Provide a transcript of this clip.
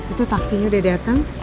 itu taksinya udah dateng